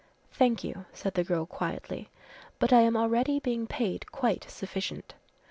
"Thank you," said the girl quietly, "but I am already being paid quite sufficient."